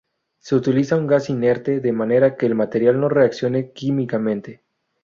Se utiliza un gas inerte, de manera que el material no reaccione químicamente.